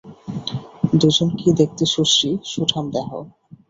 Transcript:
দুজনকেই দেখতে সুশ্রী, সুঠাম দেহ।